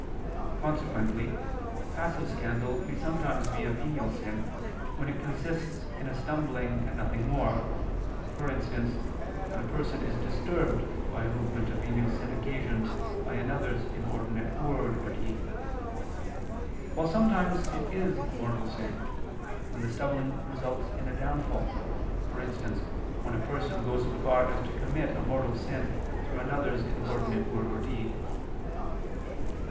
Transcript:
Consequently passive scandal may sometimes be a venial sin, when it consists in a stumbling and nothing more; for instance, when a person is disturbed by a movement of venial sin occasioned by another's inordinate word or deed: while sometimes it is a mortal sin, when the stumbling results in a downfall, for instance, when a person goes so far as to commit a mortal sin through another's inordinate word or deed.